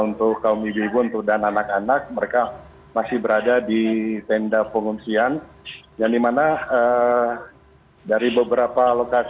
untuk para pengusaha